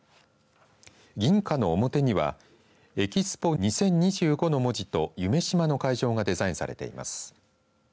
銀貨の表にはＥＸＰＯ２０２５の文字と夢洲の会場がデザインされています。